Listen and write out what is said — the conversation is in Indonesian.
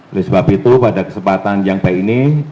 oleh sebab itu pada kesempatan yang baik ini